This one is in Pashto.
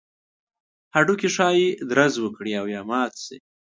هډوکي ښایي درز وکړي او یا مات شي.